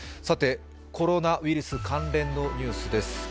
さて、コロナウイルス関連のニュースです。